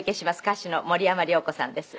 歌手の森山良子さんです。